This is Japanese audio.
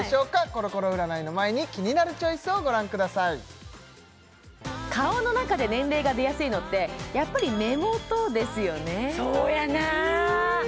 コロコロ占いの前に「キニナルチョイス」をご覧ください顔の中で年齢が出やすいのってやっぱり目元ですよね